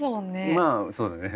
まあそうだね。